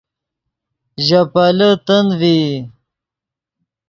ژے پیلے تند ڤئی